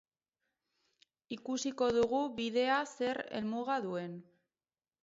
Ikusiko dugu bidea zer helmuga duen.